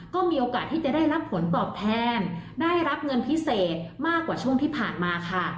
ก็มีโอกาสที่จะได้รับผลตอบแทนได้รับเงินพิเศษมากกว่าช่วงที่ผ่านมาค่ะ